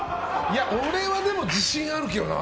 俺は自信あるけどな。